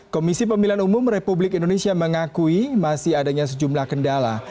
komisi pemilihan umum republik indonesia mengakui masih adanya sejumlah kendala